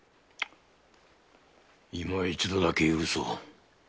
今一度だけ許そう。